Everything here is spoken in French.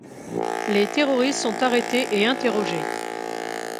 Les terroristes sont arrêtés et interrogés.